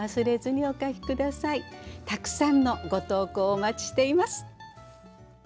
たくさんのご投稿をお待ちしています。